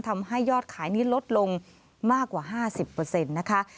ทำให้ยอดขายนี้ลดลงมากกว่า๕๐นะคะ